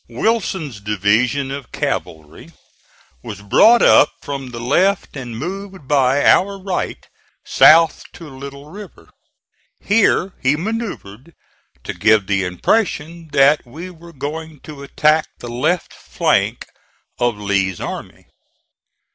Wilson's division of cavalry was brought up from the left and moved by our right south to Little River. Here he manoeuvred to give the impression that we were going to attack the left flank of Lee's army.